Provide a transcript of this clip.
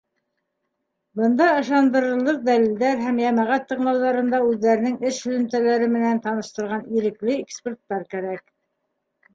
Бында ышандырырлыҡ дәлилдәр һәм йәмәғәт тыңлауҙарында үҙҙәренең эш һөҙөмтәләре менән таныштырған ирекле эксперттар кәрәк.